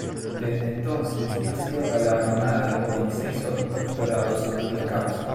Desde entonces, ha sido galardonada con seis doctorados honoris causa.